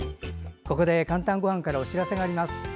ここで「かんたんごはん」からお知らせがあります。